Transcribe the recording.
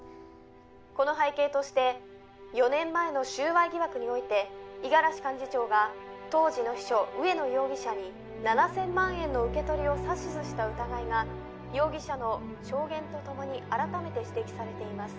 「この背景として４年前の収賄疑惑において五十嵐幹事長が当時の秘書植野容疑者に７０００万円の受け取りを指図した疑いが容疑者の証言と共に改めて指摘されています」